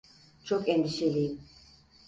Çok endişeliyim.